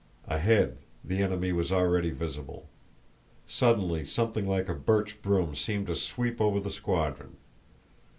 Ahead, the enemy was already visible. Suddenly something like a birch broom seemed to sweep over the squadron.